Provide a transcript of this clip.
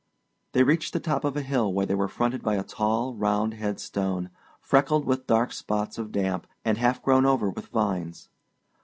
They reached the top of a hill where they were fronted by a tall, round head stone, freckled with dark spots of damp and half grown over with vines.